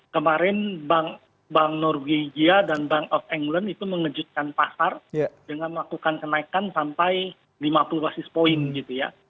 kemarin bank norwegia dan bank of england itu mengejutkan pasar dengan melakukan kenaikan sampai lima puluh basis point gitu ya